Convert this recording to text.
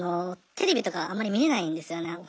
テレビとかあんまり見れないんですよね。